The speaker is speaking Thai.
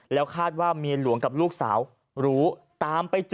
แล้วคาดว่าเมียหลวงกับลูกสาวรู้ตามไปเจอ